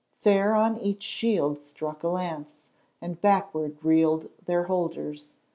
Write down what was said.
Fair on each shield struck a lance, and backward reeled their holders.